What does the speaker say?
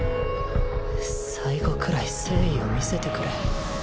最後くらい誠意を見せてくれ。